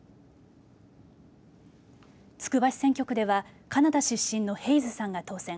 つくば市選挙区ではカナダ出身のヘイズさんが当選。